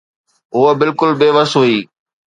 هوءَ بلڪل بيوس هئي.